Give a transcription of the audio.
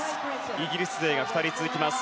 イギリス勢が２人続きます。